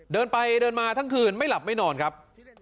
เดินไปเดินมาทั้งคืนไม่หลับไม่นอนครับ